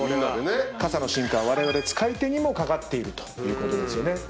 傘の進化はわれわれ使い手にも懸かっているということですよね。